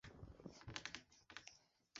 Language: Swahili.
Mnyama kukojoa mkojo mwekundu ni dalili za ugonjwa